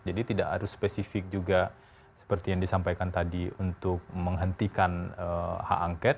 jadi tidak harus spesifik juga seperti yang disampaikan tadi untuk menghentikan hak angket